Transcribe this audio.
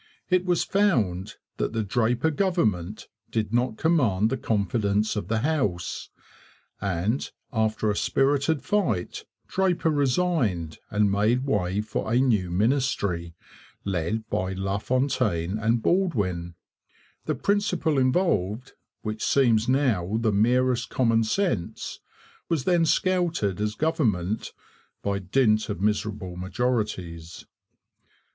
It was found that the Draper government did not command the confidence of the House; and, after a spirited fight, Draper resigned and made way for a new ministry, led by LaFontaine and Baldwin. The principle involved, which seems now the merest common sense, was then scouted as government 'by dint of miserable majorities.'